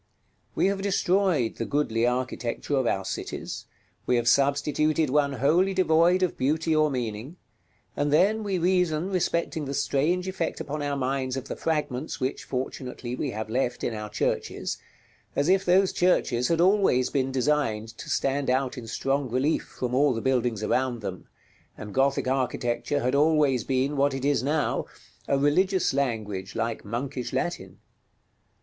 We have destroyed the goodly architecture of our cities; we have substituted one wholly devoid of beauty or meaning; and then we reason respecting the strange effect upon our minds of the fragments which, fortunately, we have left in our churches, as if those churches had always been designed to stand out in strong relief from all the buildings around them, and Gothic architecture had always been, what it is now, a religious language, like Monkish Latin.